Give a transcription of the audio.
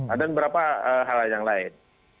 ada beberapa hal yang lain